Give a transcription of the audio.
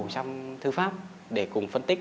trong thư pháp để cùng phân tích